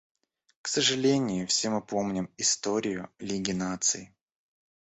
К сожалению, все мы помним историю Лиги Наций.